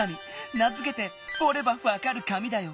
名づけて「おればわかる紙」だよ。